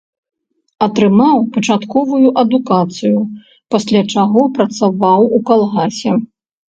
Атрымаў пачатковую адукацыю, пасля чаго працаваў у калгасе.